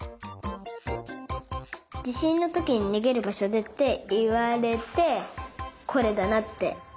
じしんのときににげるばしょでっていわれてこれだなって。